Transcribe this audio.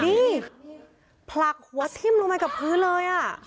นี่ผลักหัวทิ่มลงมากับพื้นเลย